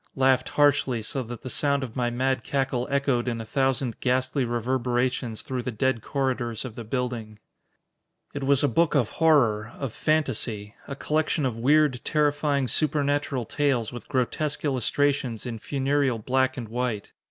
Laughed harshly, so that the sound of my mad cackle echoed in a thousand ghastly reverberations through the dead corridors of the building. It was a book of horror, of fantasy. A collection of weird, terrifying, supernatural tales with grotesque illustrations in funereal black and white.